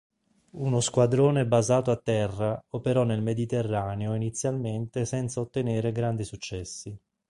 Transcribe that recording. Uno squadrone basato a terra operò nel Mediterraneo inizialmente senza ottenere grandi successi.